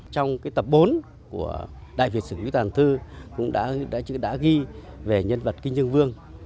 trong cái tập bốn của đại việt sử vĩ toàn thư cũng đã ghi về nhân vật kinh dương vương